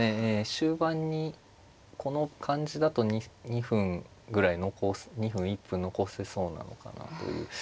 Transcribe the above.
終盤にこの感じだと２分ぐらい残す２分１分残せそうなのかなという。